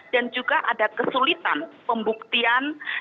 dan juga ada kesulitan pembuktian